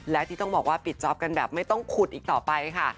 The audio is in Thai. และที่ต้องบอกว่าปิดจ๊อปกันแบบไม่ต้องขุดอีกต่อไปค่ะ